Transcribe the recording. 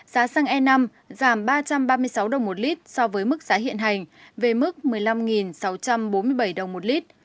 giá xăng e năm giảm ba trăm ba mươi sáu đồng một lít so với mức giá hiện hành về mức một mươi năm sáu trăm bốn mươi bảy đồng một lít